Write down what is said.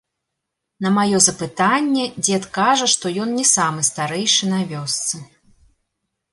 На маё запытанне дзед кажа, што ён не самы старэйшы на вёсцы.